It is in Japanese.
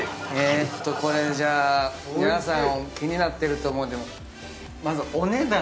えーっとこれじゃあ皆さん気になってると思うんでまずは。